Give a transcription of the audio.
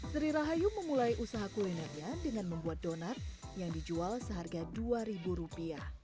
sri rahayu memulai usaha kulinernya dengan membuat donat yang dijual seharga rp dua